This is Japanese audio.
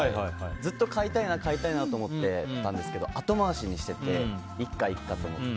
ずっと買いたいなと思っていたんですけど後回しにしてていいか、いいかと思って。